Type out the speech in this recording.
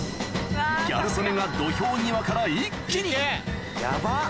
ギャル曽根が土俵際から一気に・ヤバっ！